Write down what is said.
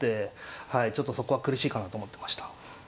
はいちょっとそこは苦しいかなと思ってました。